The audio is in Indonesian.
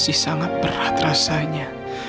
masih sangat berat rasanya